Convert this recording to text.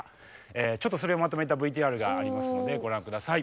ちょっとそれをまとめたＶＴＲがありますのでご覧ください。